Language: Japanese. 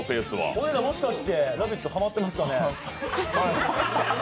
俺ら、もしかして「ラヴィット！」ハマってますかね。